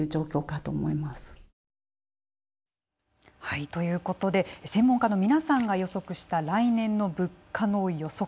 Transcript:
はいということで専門家の皆さんが予測した来年の物価の予測。